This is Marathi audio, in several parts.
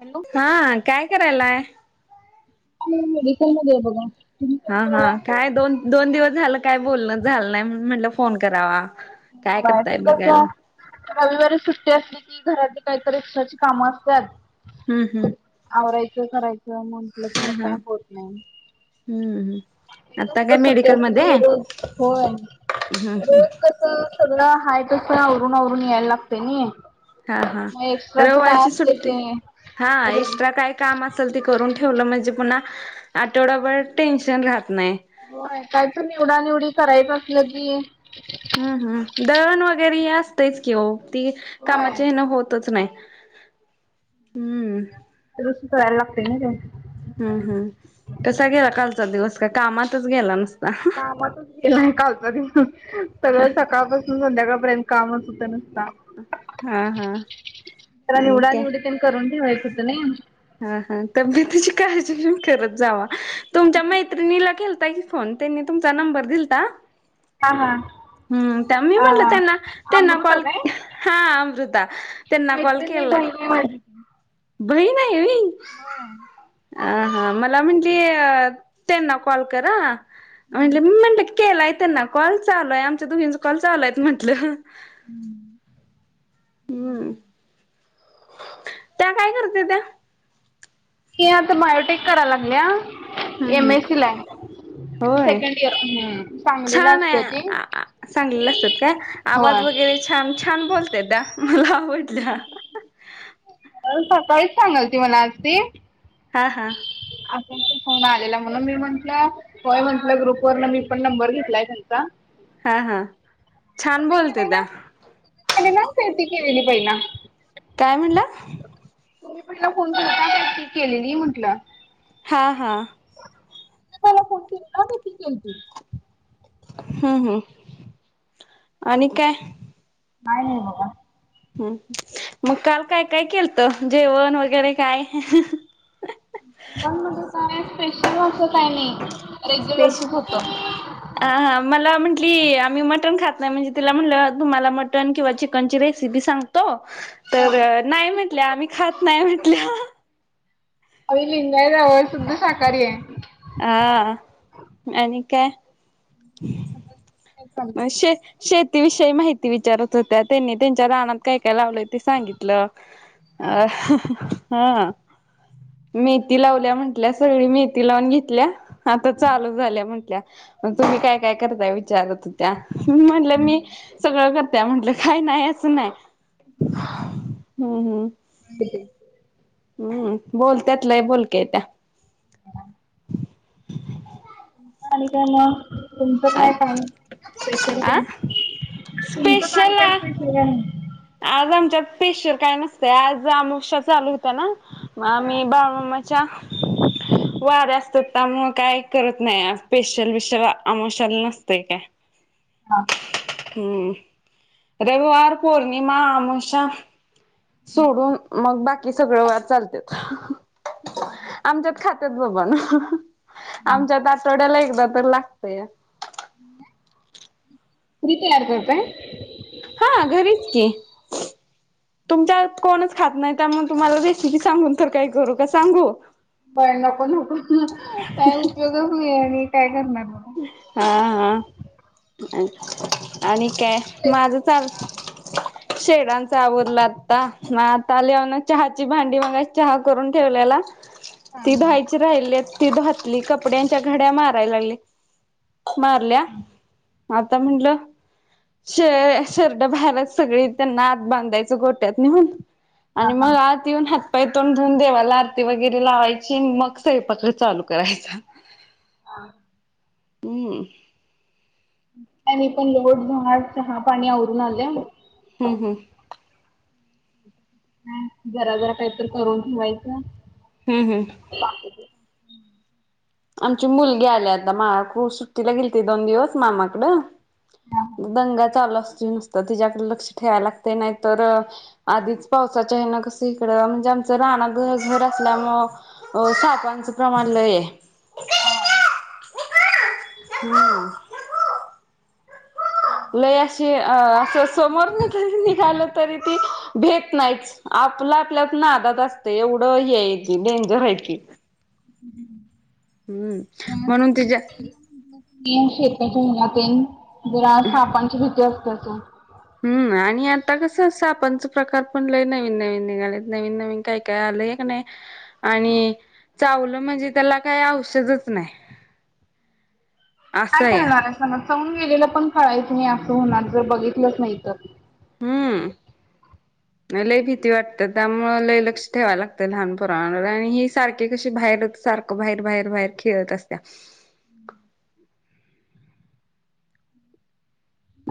हॅलो. हा काय करायलाय? मी मेडिकल मध्ये आहे बघा. तुम्ही पण हा हा काय दोन दोन दिवस झालं काय बोलण झालं नाही, म्हणून म्हटलं फोन करावा. काय हां करताय ते बघायला कसं. रविवारी सुट्टी असली की, घरातली काहीतर एक्स्ट्राची कामं हम्म असत्यात. हम्म आवरायचं करायचं म्हटलं की, हा मग हा काय होत नाही. हम्म हम. सुट्टी असत नाही रोज, होय रोज कसं. सगळं हाय तसं आपण आवरून, आवरून यायला लागते नही. हा हा. रविवारची सुट्टी ते हा, एस्ट्रा कायं. काम असेल ते करून ठेवलं म्हणजे, पुन्हा आठवडाभर टेन्शन राहत नाही. होय, काय तरी निवडा निवडी करायच असलं की. हम् हम्. दळण वगैरे हे, असतेच की हो. ती होय कामाच्या हेन होतच नाही हम्म. तर दुसरं करायला लागतंय ना ते. हम्म हम्. कसा गेला, कालचा दिवस काय कामातच गेला नु कामातच. केला कालचा दिवस सगळ सकाळपासून, संध्याकाळपर्यंत कामच होतं नुसता. हा हा जरा आणि निवडा काय निवडी पण करून, ठेवायच होती नाही. हा हा. तर तब्येतीची काळजी करत जावा, तुमच्या मैत्रिणीला केलंता. फोन त्यांनी तुमचा नंबर दिलता. हा हा हम्म. त्याना मी म्हटलं त्यांना, अ त्यांना अमृता कॉल हा अमृता. त्यांना कॉल मैत्रिणीन नाही, केला बहिण आहे माजी. बहीण आहे होय. होय. अं. हं.. मला म्हणली त्यांना कॉल कर हं. म्हंटले म म्हणल की केलाय त्यांना कॉल चालूय आमच्या दुघींच कॉल चालूइत म्हटलं. हम्म, त्या काय करतेत्या? ती आता बायोटेक करा, लागल्या हम्म हम्म एमएस सीला. होय सेकंड इयर हम्म. सांगलीला छान असते आहे ती. आ आ सांगलेले असतात काय आवाज होय. वगैरे छान, छान बोलत्या हा मला आवडल्या. [unintelligible] सकाळीच सांगाल ती. हां. हां असं असं फोन आलेला, म्हणून मी म्हंटलं. होय, म्हटलं ग्रुप वरन मी, पण नंबर घेतलाय त्यांचा. हा हा, छान बोलतेत्या. त्यांनी जाऊन खरेदी केलेली पहिला. काय म्हणला. तुम्ही पहिला फोन केलता, की ती केलेली म्हटलं. हां हां. [unintelligible] हम्म हम् आणि काय. काय नाही बघा. हम्म मग काल काय काय केलत? जेवण वगैरे काय? जेवण म्हणजे काय असं, स्पेशल असं काय नाही रेग्युलरचच होतं. हा हा. मला म्हटली आम्ही मटन खात नाही म्हणजे, तिला म्हटलं तुम्हाला मटन किंवा चिकनची रेसिपी सांग तो हा तर नाही म्हटल्या आम्ही, खात नाही म्हटल्य. आम्ही लिंगायत आहे ओ, शुद्ध शाकाहारी आहे. आ, आणि काय हं. होय काय शे शेतीविषयी माहिती विचारत होत्या, त्यांनी त्यांच्या रानात काय काय लावलंय ते सांगितलं. हा. मेथी लावल्या म्हंटल्या सगळी, मेथी लावून घेतल्या आता चालू झाल्या म्हंटल्या. मग तुम्ही काय, काय करताय विचारतं. त्या म्हटलं मी सगळं करत्या म्हंटलं काही नाही असं नाय. हम्म. हम्म. [unintelligible] [inaudible] हम्म. बोलत्यात लय बोलक्या आहेत त्या. आणि काय मग. तुमचं काय काय स्पेशल आ काय? तुमचं काल स्पेशल काय स्पेशल काय नाही. आज आमच्या स्पेशल काय नसतं, आज आमोशा चालू होत्या ना. आम्ही बाळु मामाच्या. वाऱ्या असतात त्यामुळं, काय करत नाही स्पेशल बेशल आमोशल नसते कायं. हा. हा. हम्म. रविवार पौर्णिमा आमोश्या. सोडून मग बाकी सगळ वार चालत्यात, आमच्यात खात [unintelligible] बाबा आमच्यात आठवड्याला एकदा तर लागतंय. [unintelligible] करु काय. हा, घरीच की तुमच्या कोणच खात नाही त्यामुळे, तुम्हाला रेसिपी सांगून तर काही करू का सांगू. बर नको नको म्हणून काय उपयोगच नाही, आणि काय करणार मग. हा हा, आणि दुसऱ्या काय कशाची माझं. रेसिपी सांगा. चालतंय. शेडांचा आवरला आता मग आता, लिव ना चहाची भांडी मग चहा करून ठेवलेला. हा ती हा धायची राहिलीयत ती घातली कपडे, कपड्यांच्या घड्या मारायला लागलीय. मारल्या आता म्हटलं. शे शेरडं बाहेरात सगळी त्यांना आत बांधायचं गोट्यात नेऊन. हा आणि हा मग आज. ती येऊन हातपाय, तोंड धुऊन देवाला आरती वगैरे लावायची मग, स्वयंपाक चालू करायचा. [inaudible] हां. हम्म. खाली पण लोट झाड, चहा पाणी आवरून आले. हमं. हंम. नाही जरा जरा, काहीतरी करून ठेवायचं. हम् हम्. [unintelligible] आमची मुलगी आल्या आता मा खू सुट्टीला गेलती दोन दिवस मामाकडं. दंगा चालू असतोय नुसत तिच्याकड‌, लक्ष ठेवायला लागतय नाही तर. आधीच पावसाच्या हेन कस इकड म्हणजे, आमचं रानात घर घर असल्यामुळं हो सापांचं प्रमाण लय हाय. अ हम्म. हम्. लय अशी अ असं, समोर न जरी निघालं तरी ती भेत नाहीच. आपलं आपल्यात नादात असतंय, एवढं हे हाय ती डेंजर हाय ती. [inaudible] हम्म म्हणून तिच्या, तिकडची [unintelligible] जरा सापांची भीती असत्याच ओ. हम्म आणि आता कसं सापांचं प्रकार पण लय नवीन नवीन निघालेत. नवीन नवीन काही काय आलय का नाय? आणि चावलं म्हणजे त्याला काही औषधच नाही. काय असं या कळणार आहे समज चावून गेलेलं पण कळायचं नाही, असं होणार जर बघितलंच नाही तर. हम्म. लय भीती वाटते, त्यामुळं लय लक्ष ठेवाय लागतंय लहान पोरांवर आणि ही सारखी कशी बाहेरच सार बाहेर बाहेर बाहेर खेळत असत्या.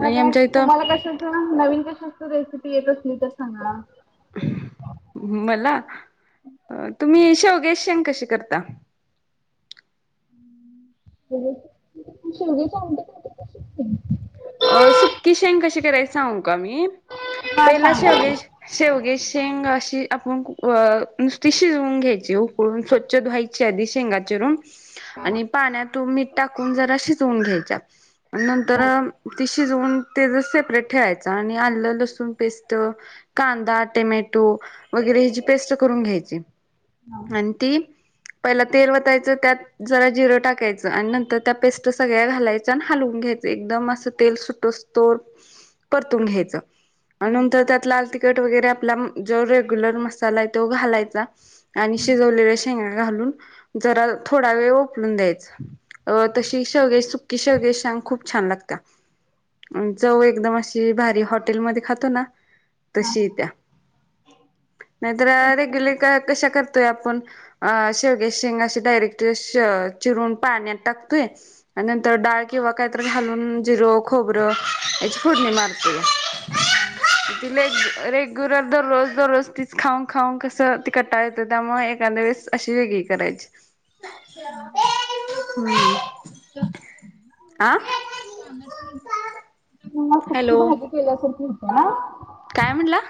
म काय आमच्या इथं तुम्हाला कशाच ना नवीन कशाचं रेसिपी येत असली तर सांगा. मला तुम्ही शेवग्याची शेंग कशी करता? शेवग्याची आमटी करतो तशीच सेम. अ सुक्की शेंग कशी करायची सांगू का मी. हा पहिला सांगा शेवग्या शेवग्याची शेंग अशी आपण अ नुसती शिजवून घ्यायची. उकळून स्वच्छ धुवाय च्या आधी शेंगा चिरून आणि पाण्यात मीठ टाकून जरा शिजवून घ्यायच्या. आणि नंतर ते शिजवून तेजं सेपरेट ठेवायचं आणि आलं, लसूण पेस्ट कांदा, टेमॅटो वगैरे ह्याची पेस्ट करून घ्यायची हा आणि ती पहिला तेल वतायचं, त्यात जरा जिरं टाकायचं आणि नंतर त्या पेस्ट सगळ्या घालायच्या आणि हलवून घ्यायचं. एकदम असं तेल सुटोस्तोर परतवून घ्यायचं आणि नंतर त्यात लाल तिख तिखट वगैरे आपला जो रेगुलर मसाला आहे तो घालायचा आणि शिजवलेल्या शेंगा घालून जरा थोडा वेळ उकडून द्यायचं. अ तशी शेवग्याची सुकी शेवग्याची शेंग खूप छान लागत्या. आणि चव एकदम अशी भारी, हॉटेलमध्ये खातो ना तशी येत्या. नाहीतर रेग्युलर का कशा करतोय आपण? अ शेवग्याची शेंग अशी डायरेक्ट श चिरून पाण्यात टाकतोय. आणि नंतर डाळ किंवा काहीतरी घालून जिरं खोबरं याची फोडणी मारतोया. हा तिला रेग्युलर दररोज दररोज तीच खाऊन खाऊन कसं, ती कंटाळ येतं. त्यामुळे एखाद्या वेळेस अशी वेगळी करायची. हां हां. म्हणजे मी जितकी भाजी केल्यासारखी होती ना [unintelligible] हम्म. कांदा टमाट्याची, [unintelligible] सुकी हॅलो भाजी केल्यासारखी होत्या ना? काय म्हणला?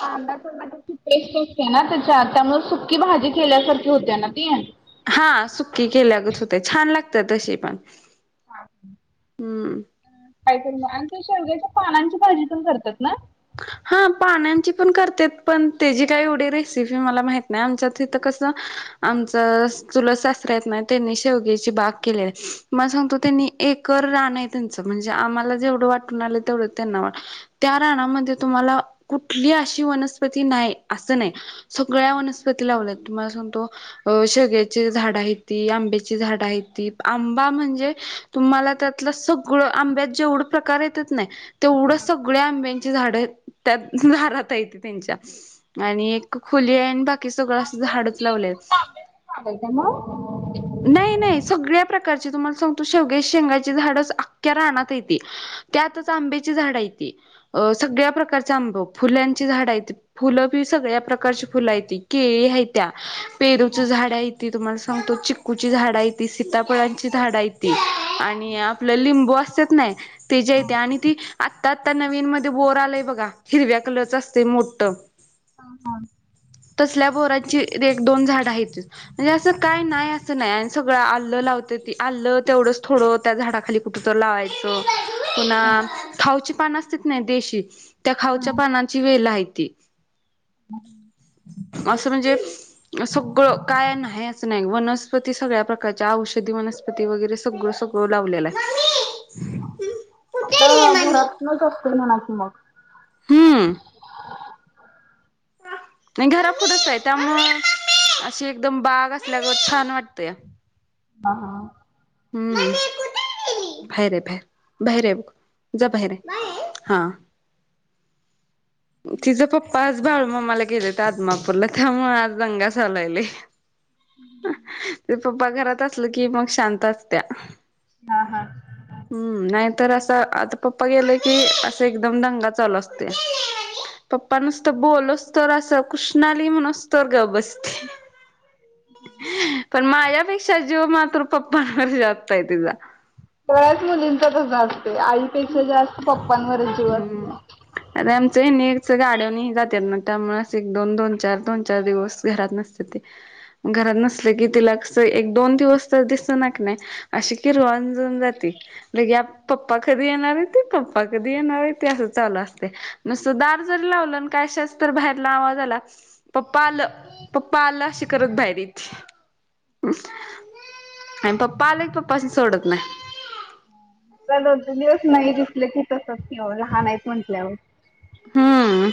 कांदा पण आणि ती पेस्ट असते ना, त्याच्यामुळे सुक्की भाजी केल्यासारखी होत्या ना ती. हा सुकी केल्यागत हुतंय. छान लागत्या तशीपण. हम्म. काय तरी मग आणि ते शेवग्याच्या पानांची भाजी पण करतात ना? हा पानांची पण करत्यात, पण तेची काही एवढी रेसिपी मला माहित नाही. आमच्यात हित कसं आमचं चुलत सासरं हायत नाय त्यांनी शेवग्याची बाग केली आहे. तुम्हाला सांगतो त्यांनी एकर रान आहे त्यांच. म्हणजे आम्हाला जेवढं वाटून आलं, तेवढं त्यांना वाट. त्या रानामध्ये तुम्हाला कुठली अशी वनस्पती नाही असं नाही. सगळ्या वनस्पती लावल्यात, तुम्हाला सांगतो. अ शेवग्याची झाडं हायती, आंब्याची झाडं हायती, आंबा म्हणजे तुम्हाला त्यातलं सगळं आंब्यात जेवढं प्रकार येत्यात नाही तेवढं सगळ्या आंब्यांची झाडं हायत. त्यात दारात हाईत त्यांच्या आणि एक खुली हाय आणि बाकी की सगळं असं झाडच आंब्याची लावल्यात. पूर्ण आंब्याची भाजी मग नाही नाही सगळ्या प्रकारची. तुम्हाला सांगतो शेवग्याच्या शेंगाची झाडच अख्या रानात हायती. त्यातच आंब्याची झाडं आहेत, सगळ्या प्रकारचे आंब, फुल्यांची झाडं आहेत. फुलंबी सगळ्या प्रकारची फुलं हायती. केळी हायत्या, पेरूच हां झाड हायती, तुम्हाला सांगतो चिक्कू कूची झाडं हायती, सीताफळांची झाडं हायती, आणि आपलं लिंबू असतात नाही. त्याजी हायती हां आणि ती आत्ता, आता नवीन मध्ये बोर आलाय बघ का हिरव्या कलरच असतय मोठं. हा. हा. तसल्या बोरांची एक दोन झाडं आहेत. म्हणजे, असं काय नाही असं नाही आणि सगळं आल्लं लावतेत ती आलं तेवढंच थोडं त्या झाडाखाली कुठ तरं लावायचं, पुन्हा खाऊची पानं असत्यात नाही देशी त्या खाऊच्या हां. पानांची वेलं आहेत असं म्हणजे, सगळं काय नाही असं नाही वनस्पती सगळ्या प्रकारच्या औषधी वनस्प वनस्पती वगैरे सगळं सगळं लावलेलं असतय. हो, घरातनच असतील म्हणा की मग. हम्म. नई घरापुढच आहे, त्यामुळं अशी एकदम बाग असल्यागत छान वाटतया. हा हा. हम्म, बाहेर आहे बाहेर. बाहेर आहे ब, जा बाहेर आहे हा. तिचा पप्पा आज बाळू मामाला गेलेत, आदमापूरला त्यामुळे आज दंगा चालू आहे लई. ते पप्पा घरात असल की मग, शांत असत्या. हा हा. हम्म. नाहीतर असं आता पप्पा गेले की असं एकदम दंगा चालू असतोय. पप्पा नुसत बोलूसतवर असं कृष्णाली म्हणूसतवर गप बसतय. ह पण माझ्यापेक्षा जीव मात्र पप्पांवर जास्तय तिजा. सगळ्याच मुलींचाच असते, आईपेक्षा जास्त पप्पांवर हम्म. अरे आमचं नच गाड्यानी जात ना, त्यामुळे एक दोन दोन चार दोन चार दिवस घरात नसत घरात, नसल की तिला कसं एक, दोन दिवस तर दिसना की अशी किरवान जाऊन जाते, म्हे पप्पा कधी येणार ते पप्पा कधी ही नव्ह ते हाल चालू असतय नुसत दार जरी लावलं. कशाच तर बाहेरला आवाजाला आला, पप्पा आलं, पप्पा आलं अशी करत बाहेर येती आणि पप्पा आला की पप्पानी सोडत नाही. त्या दोन, तीन दिवस नाही दिसले की तसं की वो लहान आहेत म्हटल्यावर. हम्म.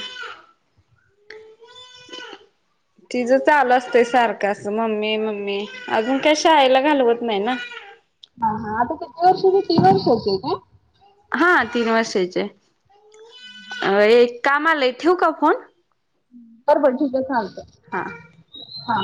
तिजं चालू असतंय सारखं असं मम्मी मम्मी, अजून काय शाळेला घालवत नाही ना. हा. हा. आता किती वर्षाची दीड वर्षाची आहे काय? हा तीन वर्षाचे आहे, मला एक काम आलाय ठेवू का फोन? बर बर ठीक आहे सांगतो. हा. हा.